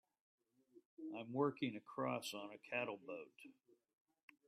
I'm working across on a cattle boat.